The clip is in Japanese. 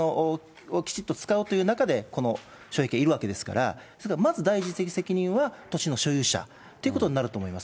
土地をきちっと使おうという中で障壁がいるわけですから、まず第一義的責任は土地の所有者ということになると思います。